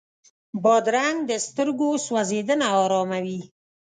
بادرنګ د سترګو سوځېدنه اراموي.